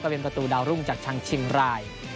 ก็เป็นประตูดาวรุ่งจากชังชิงราย